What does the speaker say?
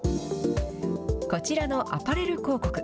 こちらのアパレル広告。